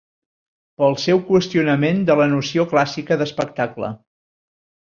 Pel seu qüestionament de la noció clàssica d'espectacle